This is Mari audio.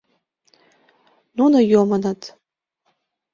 Нуно йомыныт.